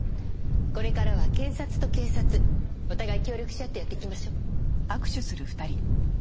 これからは検察と警察お互い協力し合ってやっていきましょう。